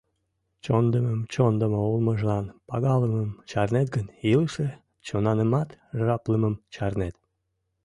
Чондымым чондымо улмыжлан пагалымым чарнет гын, илыше-чонанымат жаплымым чарнет».